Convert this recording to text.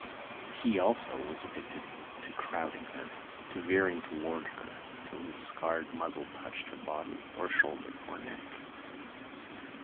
He, also, was addicted to crowding her, to veering toward her till his scarred muzzle touched her body, or shoulder, or neck.